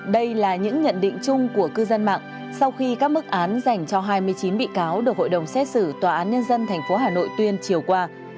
đây là những nhận định chung của cư dân mạng sau khi các mức án dành cho hai mươi chín bị cáo được hội đồng xét xử tòa án nhân dân tp hà nội tuyên chiều qua